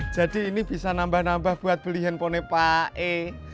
jadi ini bisa nambah nambah buat beli handphone pak e